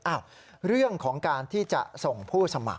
เรื่องของการที่จะส่งผู้สมัคร